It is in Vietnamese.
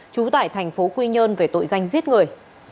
trú tại thành phố quy nhơn về tội danh giết người